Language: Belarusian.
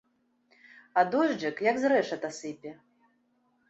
А дожджык як з рэшата сыпе.